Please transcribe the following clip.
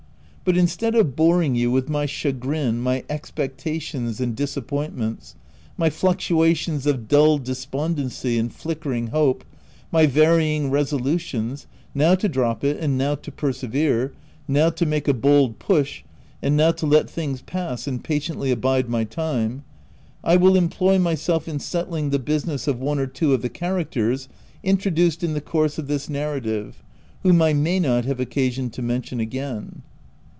But instead of boring you with my chagrin, my expectations and disap pointments, my fluctuations of dull despondency and flickering hope, my varying resolutions, now to drop it, and now to persevere — now to make a bold push, and now to let things pass and patiently abide my time, — I will employ myself in settling the business of one or two of the characters, introduced in the course of this narrative, whom I may not have occasion to mention again.